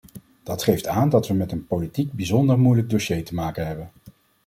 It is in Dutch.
Dat geeft aan dat we met een politiek bijzonder moeilijk dossier te maken hebben.